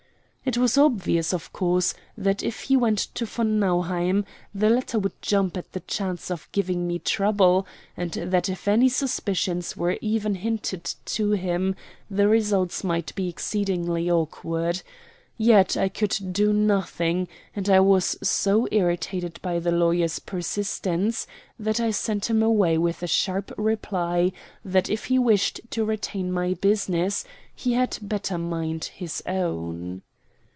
It was obvious, of course, that if he went to von Nauheim the latter would jump at the chance of giving me trouble, and that if any suspicions were even hinted to him the results might be exceedingly awkward. Yet I could do nothing; and I was so irritated by the lawyer's persistence that I sent him away with a sharp reply that if he wished to retain my business he had better mind his own.